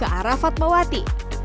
ke arah fatmawati